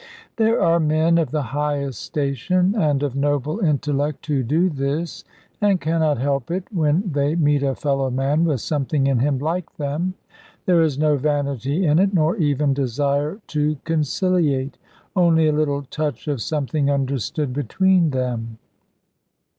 There are men of the highest station, and of noble intellect, who do this, and cannot help it, when they meet a fellow man with something in him like them. There is no vanity in it, nor even desire to conciliate; only a little touch of something understood between them.